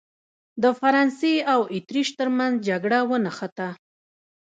د فرانسې او اتریش ترمنځ جګړه ونښته.